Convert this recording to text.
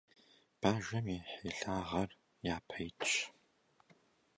Бажэм и хьилагъэр япэ итщ.